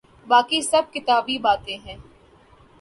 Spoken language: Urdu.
باقی سب کتابی باتیں ہیں۔